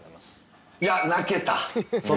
いや泣けた。